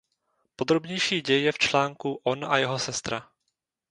Podrobnější děj je v článku "On a jeho sestra".